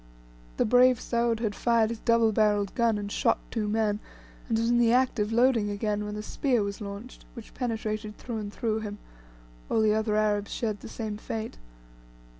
The brave Soud had fired his double barrelled gun and shot two men, and was in the act of loading again when a spear was launched, which penetrated through and through him: all the other Arabs shared the same fate.